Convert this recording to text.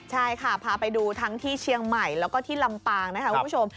ใช่ค่ะพาไปดูทั้งที่เชียงใหม่แล้วก็ที่ลำปางนะคะคุณผู้ชม